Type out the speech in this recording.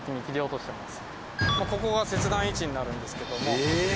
ここが切断位置になるんですけども。